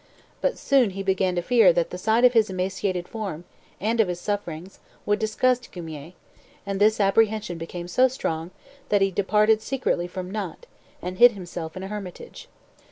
But soon he began to fear that the sight of his emaciated form, and of his sufferings, would disgust Guimier; and this apprehension became so strong, that he departed secretly from Nantes, and hid himself in a hermitage.